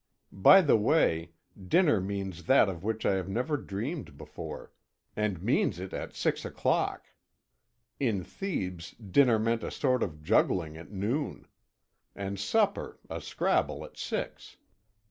By the way, dinner means that of which I have never dreamed before, and means it at six o'clock. In Thebes, dinner meant a sort of juggling at noon; and supper, a scrabble at six.